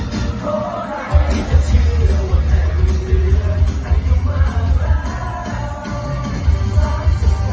เพราะไหนที่จะเชื่อว่าแค่วิเศษอายุมากแล้ว